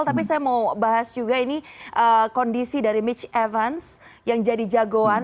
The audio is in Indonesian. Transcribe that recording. tapi saya mau bahas juga ini kondisi dari mitch evans yang jadi jagoan